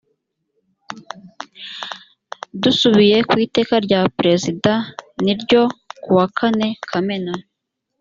dusubiye ku iteka rya perezida n ryo ku wa kane kamena